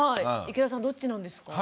池田さんどっちなんですか？